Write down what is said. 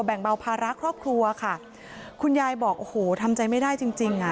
เบาภาระครอบครัวค่ะคุณยายบอกโอ้โหทำใจไม่ได้จริงจริงอ่ะ